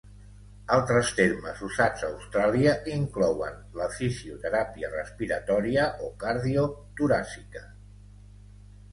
Altres termes, usats a Austràlia, inclouen la fisioteràpia respiratòria o cardio-toràcica.